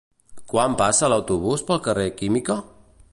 Quan passa l'autobús pel carrer Química?